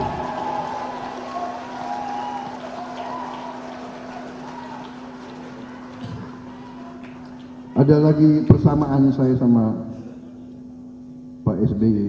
ada lagi persamaan saya sama pak sby